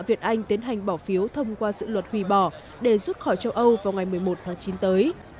viện anh tiến hành bỏ phiếu thông qua dự luật hủy bỏ để rút khỏi châu âu vào ngày một mươi một tháng chín tới